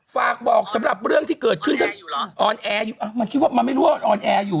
ฝากบอกสำหรับเรื่องที่เกิดขึ้นถ้าออนแอร์อยู่มันคิดว่ามันไม่รู้ว่าออนแอร์อยู่